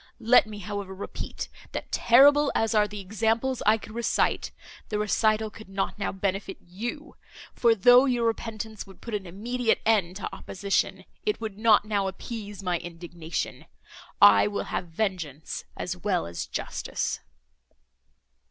Let me, however, repeat, that terrible as are the examples I could recite, the recital could not now benefit you; for, though your repentance would put an immediate end to opposition, it would not now appease my indignation.—I will have vengeance as well as justice."